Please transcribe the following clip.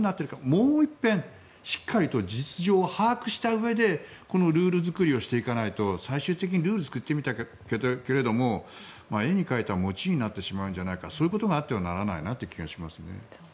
もう一遍しっかり実情を把握したうえでルール作りをしていかないと最終的にルールを作ってみたけれども絵に描いた餅になってしまうんじゃないかそういうことがあってはならないなと思います。